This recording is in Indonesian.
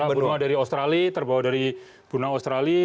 kerak benua dari australia terbawa dari bunah australia